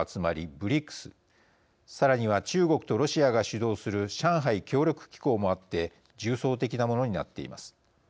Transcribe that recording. ＢＲＩＣＳさらには中国とロシアが主導する上海協力機構もあって重層的なものになっています。